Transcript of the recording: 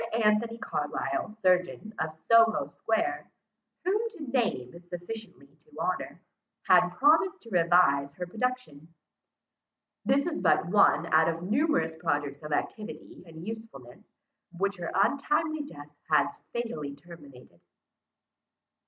Anthony Carlisle, surgeon, of Soho square, whom to name is sufficiently to honour, had promised to revise her production. This is but one out of numerous projects of activity and usefulness, which her untimely death has fatally terminated.